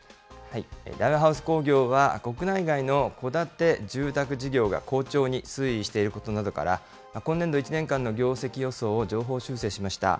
大和ハウス工業は、国内外の戸建て住宅事業が好調に推移していることなどから、今年度１年間の業績予想を上方修正しました。